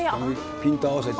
ピント合わせて。